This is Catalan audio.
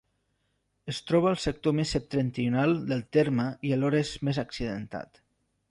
Es troba al sector més septentrional del terme i alhora més accidentat.